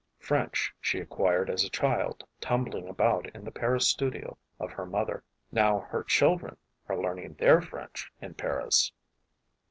French she acquired as a child tumbling about in the Paris studio of her mother. Now her children are learning their French in Paris.